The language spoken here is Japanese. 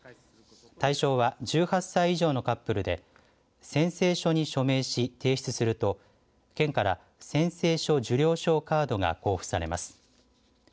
対象は１８歳以上のカップルで宣誓書に署名し、提出すると県から宣誓書受領証カードが交付されます。